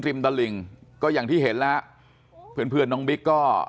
ริมตลิ่งก็อย่างที่เห็นแล้วเพื่อนน้องบิ๊กก็